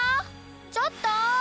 ちょっと？